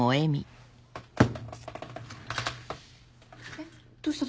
えっどうした？